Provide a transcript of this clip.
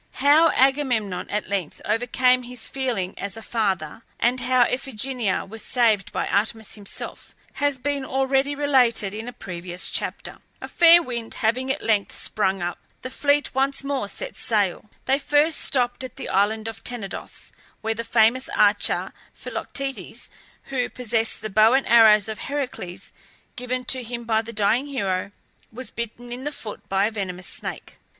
How Agamemnon at length overcame his feelings as a father, and how Iphigenia was saved by Artemis herself, has been already related in a previous chapter. A fair wind having at length sprung up, the fleet once more set sail. They first stopped at the island of Tenedos, where the famous archer Philoctetes who possessed the bow and arrows of Heracles, given to him by the dying hero was bitten in the foot by a venomous snake.